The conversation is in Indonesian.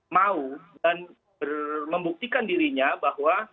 mau dan membuktikan dirinya bahwa